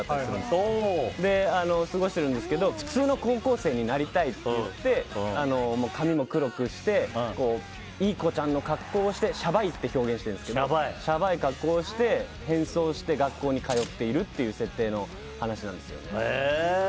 そう過ごしてるんですけど普通の高校生になりたいって言って髪も黒くしていい子ちゃんの格好をしてシャバいって表現してるんですけどシャバい格好をして変装して学校に通っているという設定の話なんですよね。